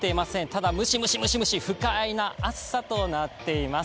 ただムシムシムシムシ不快な暑さとなっています。